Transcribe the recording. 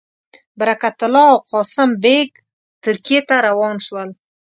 برکت الله او قاسم بېګ ترکیې ته روان شول.